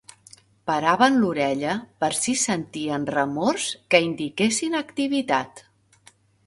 Paraven l'orella per si sentien remors que indiquessin activitat